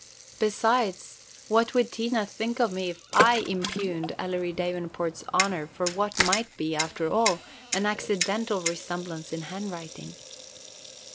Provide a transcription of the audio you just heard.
Besides, what would Tina think of me if I impugned Ellery Davenport's honor for what might be, after all, an accidental resemblance in handwriting.